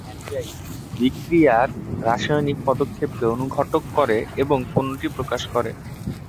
এরপর এনজাইম বিক্রিয়ার রাসায়নিক পদক্ষেপকে অনুঘটক করে এবং পণ্যটি প্রকাশ করে।